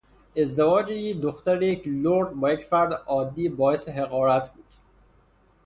ازدواج دختر یک لرد با یک فرد عادی باعث حقارت بود.